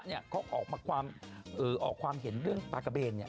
เขาออกมาความเห็นเรื่องปากกะเบน